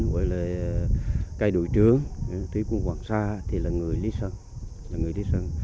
gọi là cây đội trướng thủy quân hoàng sa thì là người lý sơn